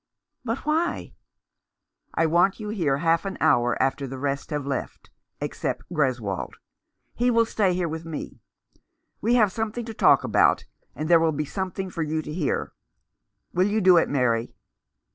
" But why ?"" I want you here half an hour after the rest have left — except Greswold. He will stay here with me. We have something to talk about — and there will be something for you to hear. Will you do it, Mary